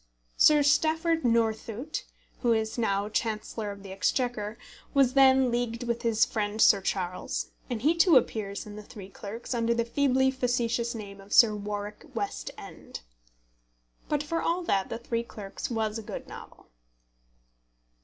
Sir Stafford Northcote, who is now Chancellor of the Exchequer, was then leagued with his friend Sir Charles, and he too appears in The Three Clerks under the feebly facetious name of Sir Warwick West End. But for all that The Three Clerks was a good novel.